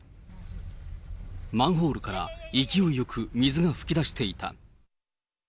マンホールから勢いよく水が噴き出していた。